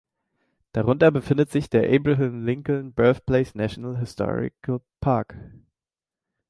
Darunter befindet sich der Abraham Lincoln Birthplace National Historical Park.